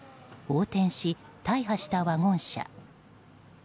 横転し、大破したワゴン車。